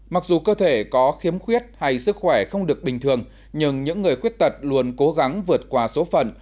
mặc dù cơ thể có khiếm khuyết hay sức khỏe không được bình thường nhưng những người khuyết tật luôn cố gắng vượt qua số phần